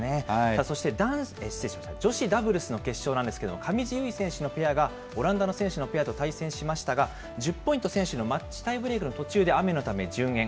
さあそして、女子ダブルスの決勝なんですけれども、上地結衣選手のペアが、オランダの選手のペアと対戦しましたが、１０ポイント先取のマッチタイブレークの途中で雨のため順延。